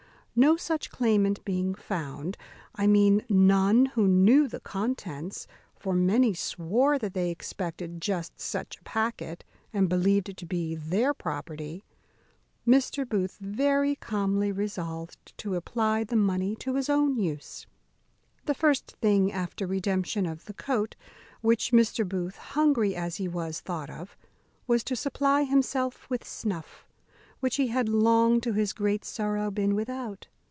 No such claimant being found (I mean none who knew the contents; for many swore that they expected just such a packet, and believed it to be their property), Mr. Booth very calmly resolved to apply the money to his own use. The first thing after redemption of the coat, which Mr. Booth, hungry as he was, thought of, was to supply himself with snuff, which he had long, to his great sorrow, been without.